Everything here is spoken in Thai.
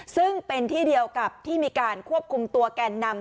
ซึ่งเป็นที่เดียวกับที่มีการควบคุมตัวแกนนำ